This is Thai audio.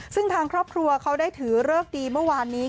ซึ่งทางครอบครัวเขาได้ถือเลิกดีเมื่อวานนี้